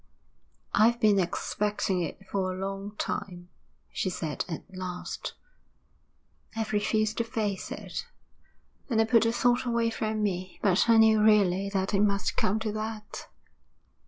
'I've been expecting it for a long time,' she said at last. 'I've refused to face it, and I put the thought away from me, but I knew really that it must come to that.'